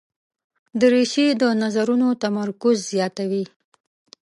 دریشي د نظرونو تمرکز زیاتوي.